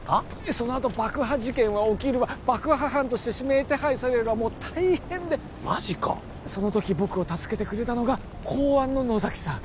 そのあと爆破事件は起きるわ爆破犯として指名手配されるわもう大変でマジかその時僕を助けてくれたのが公安の野崎さん